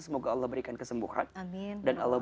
semoga allah berikan kesembuhan dan allah